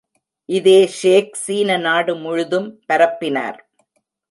இதை ஷேக் சீன நாடு முழுதும் பரப்பினார்.